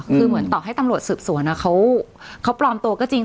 คือเหมือนต่อให้ตำรวจสืบสวนเขาปลอมตัวก็จริง